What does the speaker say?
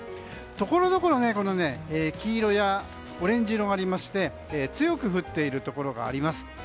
ところどころ黄色やオレンジ色がありまして強く降っているところがあります。